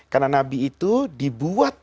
karena nabi itu dibuat